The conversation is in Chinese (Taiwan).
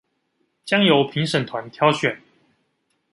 將由評審團挑選